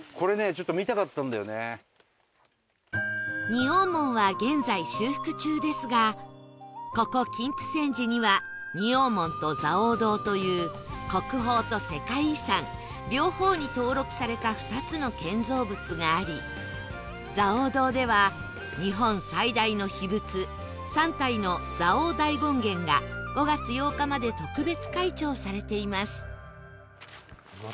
仁王門は現在修復中ですがここ金峯山寺には仁王門と蔵王堂という国宝と世界遺産両方に登録された２つの建造物があり蔵王堂では日本最大の秘仏３体の蔵王大権現が５月８日まで特別開帳されています